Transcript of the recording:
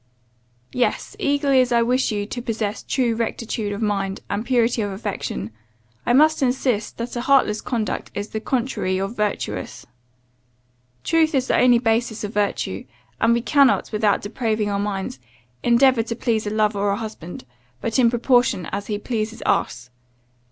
Yes; eagerly as I wish you to possess true rectitude of mind, and purity of affection, I must insist that a heartless conduct is the contrary of virtuous. Truth is the only basis of virtue; and we cannot, without depraving our minds, endeavour to please a lover or husband, but in proportion as he pleases us.